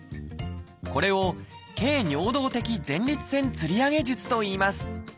これを「経尿道的前立腺吊り上げ術」といいます